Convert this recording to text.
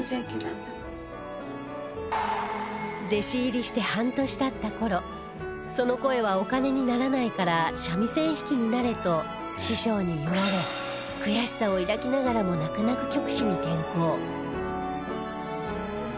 弟子入りして半年経った頃その声はお金にならないから三味線弾きになれと師匠に言われ悔しさを抱きながらも泣く泣く曲師に転向